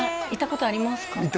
行ったことありますか？